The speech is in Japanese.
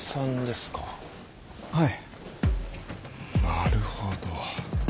なるほど。